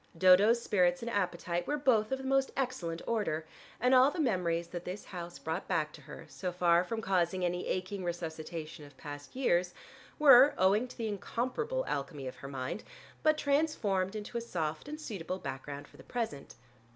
Dodo's spirits and appetite were both of the most excellent order, and all the memories that this house brought back to her, so far from causing any aching resuscitation of past years, were, owing to the incomparable alchemy of her mind, but transformed into a soft and suitable background for the present.